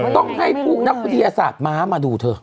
ต้องให้พวกนักวิทยาศาสตร์ม้ามาดูเธอ